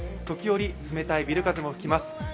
時折、冷たいビル風も吹きます。